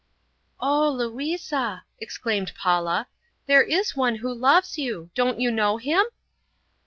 "Oh, Louisa," exclaimed Paula, "there is One who loves you: don't you know Him?"